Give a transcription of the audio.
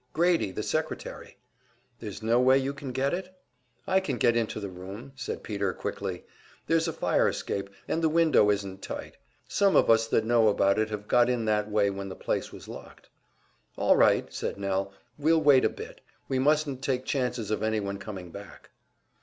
"Grady, the secretary." "There's no way you can get it?" "I can get into the room," said Peter, quickly. "There's a fire escape, and the window isn't tight. Some of us that know about it have got in that way when the place was locked." "All right," said Nell. "We'll wait a bit; we mustn't take chances of anyone coming back."